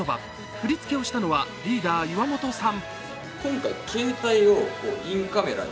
振り付けをしたのはリーダー・岩本さん。